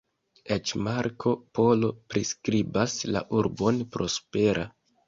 Eĉ Marko Polo priskribas la urbon prospera.